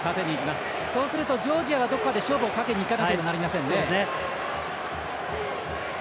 そうすると、ジョージアはどこかで勝負をかけにいかなければなりませんね。